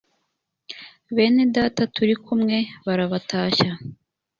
bene data turi kumwe barabatashya